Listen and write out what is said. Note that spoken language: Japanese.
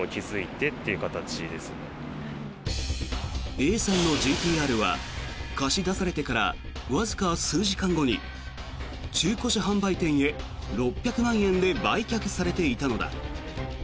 ＡさんのＧＴ−Ｒは貸し出されてからわずか数時間後に中古車販売店へ６００万円で売却されていたのだ。